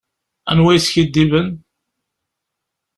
Anwa yeskidiben.